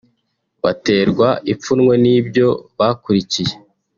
baterwa ipfunwe n’ibyo bakurikiye